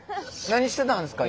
何してたんですか？